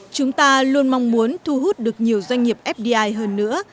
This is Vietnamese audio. chúng ta luôn mong muốn thu hút được nhiều doanh nghiệp fdi hơn nữa